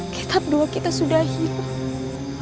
kitab dua kita sudah hilang